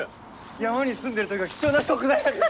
山に住んでる時は貴重な食材なんですよ